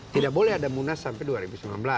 tidak boleh ada munas sampai dua ribu sembilan belas